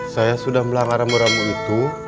saya sudah melanggar rambu rambu itu